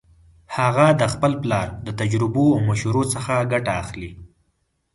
هغه د خپل پلار د تجربو او مشورو څخه ګټه اخلي